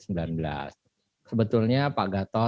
sebetulnya pak gatot pak didi dan juga pak soejo